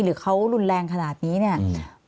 หรือเขารุนแรงขนาดนี้เนี่ย